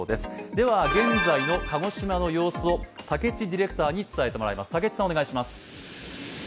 では現在の鹿児島の様子を武智ディレクターに伝えてもらいます。